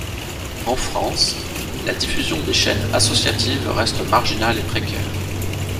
En France, la diffusion des chaînes associatives reste marginale et précaire.